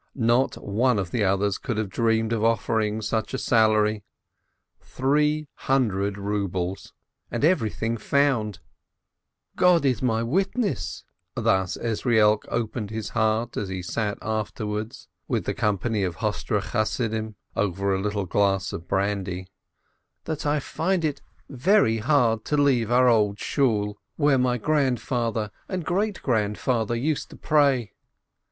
Not one of the others could have dreamed of offering him such a salary — three hundred rubles and everything found ! "God is my witness" — thus Ezrielk opened his heart, as he sat afterwards with the company of Hostre Chas sidim over a little glass of brandy — "that I find it very hard to leave our Old Shool, where my grandfather EZRIELK THE SCEIBE 229 and great grandfather used to pray.